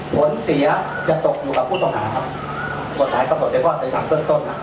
ผลเสียจะตกอยู่กับผู้ต้องหาสำหนดเป็นข้อสันต้นครับ